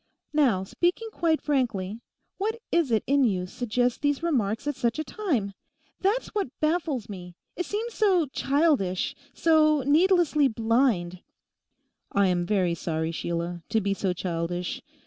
'Now, speaking quite frankly, what is it in you suggests these remarks at such a time? That's what baffles me. It seems so childish, so needlessly blind.' 'I am very sorry, Sheila, to be so childish.